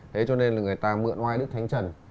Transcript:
thế cho nên là người ta mượn oai đức thánh trần